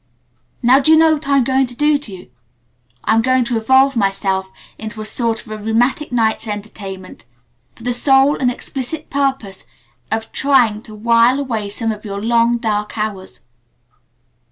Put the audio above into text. Now do you know what I'm going to do to you? I'm going to evolve myself into a sort of a Rheumatic Nights Entertainment for the sole and explicit purpose of trying to while away some of your long, dark hours.